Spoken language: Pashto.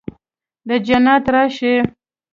د جنت راشي